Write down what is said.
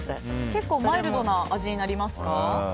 結構マイルドな味になりますか？